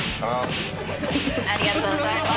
ありがとうございます。